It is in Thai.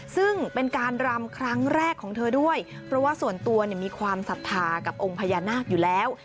ซึ่งเป็นการรำครั้งแรกของเธอด้วยเพราะว่าส่วนตัวมีความศรัทธากับองค์พญานาคอยู่แล้ว